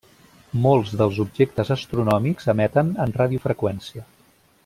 Molts dels objectes astronòmics emeten en radiofreqüència.